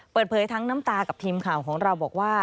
เปิดเผยทั้งน้ำตากับทีมข่าวของเราบอกว่า